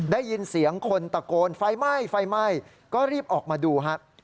ได้ยินเสียงคนตะโกนไฟไหม้ไฟไหม้ก็รีบออกมาดูครับ